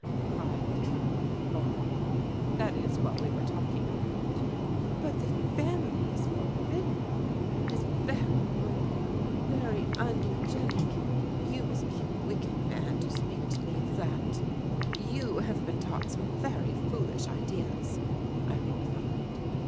cried the girl in horror. "That is what we were talking about." "But the family is forbidden. It is very wrong, very uneugenic. You must be a wicked man to speak to me of that." "You have been taught some very foolish ideas," I replied.